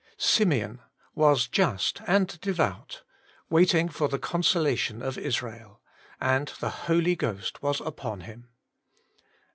' Simeon was just and devout, waiting for the conso lation of Israel, and the Holy Ghost was upon him.